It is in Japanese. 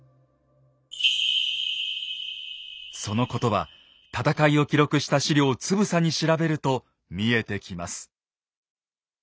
そのことは戦いを記録した史料をつぶさに調べると見えてきます。